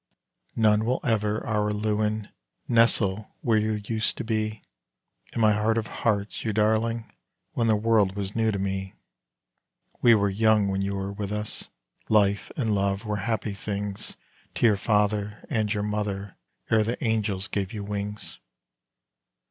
None will ever, Araluen, nestle where you used to be, In my heart of hearts, you darling, when the world was new to me; We were young when you were with us, life and love were happy things To your father and your mother ere the angels gave you wings.